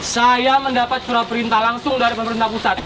saya mendapat surat perintah langsung dari pemerintah pusat